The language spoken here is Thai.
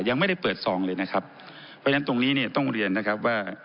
ยังไม่ได้เปิดซองเลยนะครับเพราะฉะนั้นตรงนี้เนี่ยต้องเรียนนะครับว่า